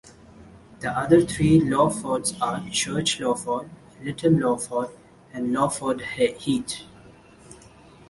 The other three Lawfords are Church Lawford, Little Lawford and Lawford Heath.